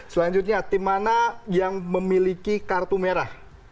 selanjutnya tim mana yang memiliki kartu merah